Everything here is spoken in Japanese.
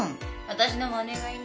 私のもお願いね。